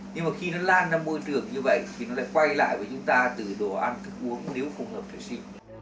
nhưng mà khi nó lan ra môi trường như vậy thì nó lại quay lại với chúng ta từ đồ ăn thức uống nếu không hợp với chị